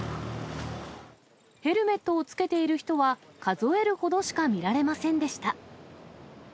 ヘルメットを着けている人は数えるほどしか見られませんでした。